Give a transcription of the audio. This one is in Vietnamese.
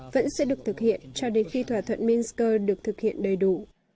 vẫn sẽ được thực hiện cho đến khi thỏa thuận minsk được thực hiện đầy đủ